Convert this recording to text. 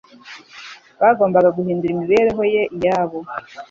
bagombaga guhindura imibereho Ye iyabo